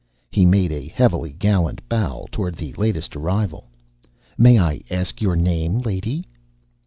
He made a heavily gallant bow toward the latest arrival. "May I ask your name, lady?"